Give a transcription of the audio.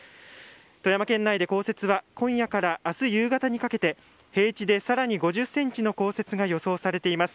富山県内で降雪は今夜から明日夕方にかけて平地で更に５０ｃｍの降雪が予想されています。